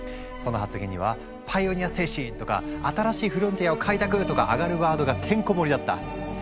その発言には「パイオニア精神」とか「新しいフロンティアを開拓」とかアガるワードがてんこもりだった。